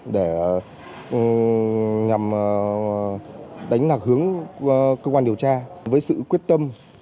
để nhằm đánh lạc hướng cơ quan điều tra với sự quyết tâm